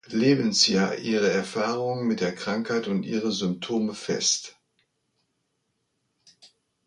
Lebensjahr ihre Erfahrungen mit der Krankheit und ihre Symptome fest.